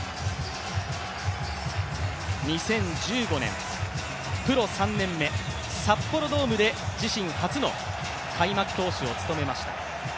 ２０１５年、プロ３年目、札幌ドームで自身初の開幕投手を務めました。